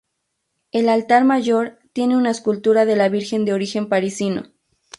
El altar mayor tiene una escultura de la Virgen de origen parisino.